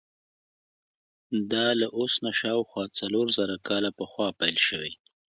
دا له اوس نه شاوخوا څلور زره کاله پخوا پیل شوی.